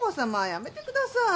やめてください。